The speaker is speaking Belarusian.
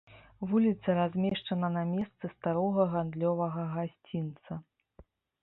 Вуліца размешчана на месцы старога гандлёвага гасцінца.